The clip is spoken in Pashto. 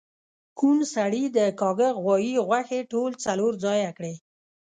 کوڼ سړي د کاږه غوایی غوښې ټولی څلور ځایه کړی